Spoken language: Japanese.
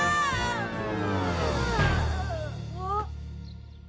あっ。